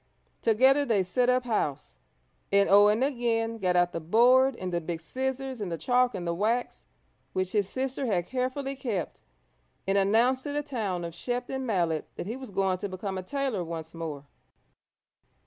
Together they set up house, and Owen again got out the board and the big scissors and the chalk and the wax which his sister had carefully kept, and announced to the town of Shepton Mallet that he was going to become a tailor once more.